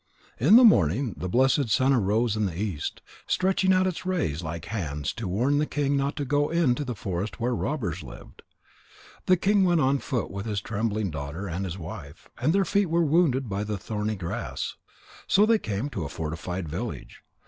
In the morning the blessed sun arose in the east, stretching out his rays like hands to warn the king not to go into the forest where robbers lived. The king went on foot with his trembling daughter and his wife, and their feet were wounded by the thorny grass. So they came to a fortified village.